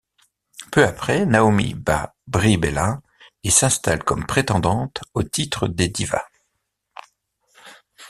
Peu après, Naomi bat Brie Bella et s'installe comme prétendante au titre des Divas.